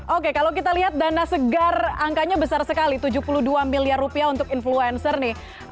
oke kalau kita lihat dana segar angkanya besar sekali tujuh puluh dua miliar rupiah untuk influencer nih